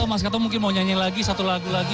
mas keto mungkin mau nyanyi lagi satu lagu lagi